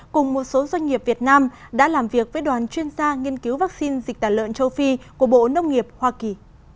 cùng một số doanh nghiệp việt nam đã làm việc với đoàn chuyên gia nghiên cứu vaccine dịch tả lợn châu phi của bộ nông nghiệp hoa kỳ